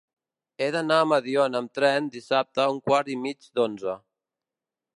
He d'anar a Mediona amb tren dissabte a un quart i mig d'onze.